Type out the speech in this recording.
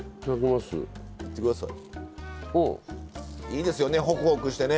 いいですよねホクホクしてね